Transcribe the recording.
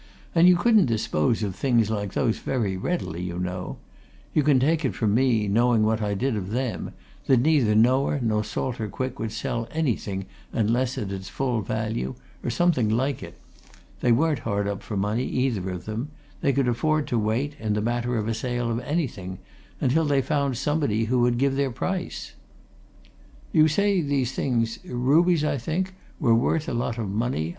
"And you couldn't dispose of things like those very readily, you know. You can take it from me, knowing what I did of them, that neither Noah nor Salter Quick would sell anything unless at its full value, or something like it. They weren't hard up for money, either of them; they could afford to wait, in the matter of a sale of anything, until they found somebody who would give their price." "You say these things rubies, I think were worth a lot of money?"